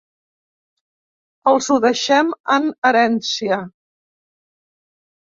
Els ho deixem en herència.